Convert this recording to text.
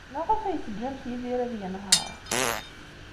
Maɣef ay teǧǧamt Yidir ad yenheṛ?